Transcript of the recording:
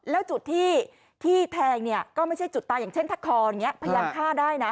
แล้วจุดที่แทงเนี่ยก็ไม่ใช่จุดตายอย่างเช่นถ้าคออย่างนี้พยายามฆ่าได้นะ